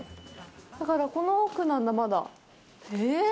だから、この奥なんだ、まだ。ええっ。